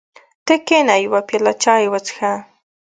ته کېنه یوه پیاله چای وڅښه.